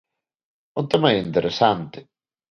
O tema é interesante.